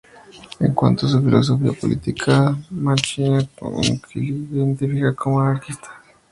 En cuanto a su filosofía política, Machine Gun Kelly se identifica como un anarquista.